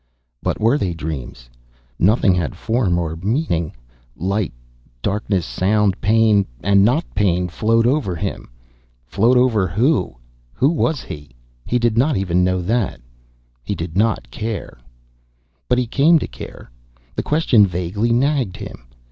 But were they dreams? Nothing had form or meaning. Light, darkness, sound, pain and not pain, flowed over him. Flowed over who? Who was he? He did not even know that. He did not care. But he came to care, the question vaguely nagged him.